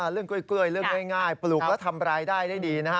เรื่องกล้วยเรื่องง่ายปลูกแล้วทำรายได้ได้ดีนะฮะ